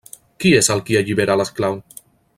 Qui és el qui allibera l'esclau?